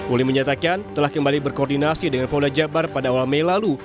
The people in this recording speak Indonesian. uli menyatakan telah kembali berkoordinasi dengan polda jabar pada awal mei lalu